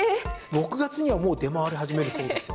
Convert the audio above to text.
６月にはもう出回り始めるそうですよ。